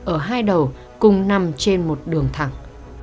ở hai đầu cùng nằm trên một đường thẳng